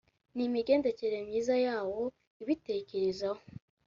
n imigendekere myiza yawo ibitekerezaho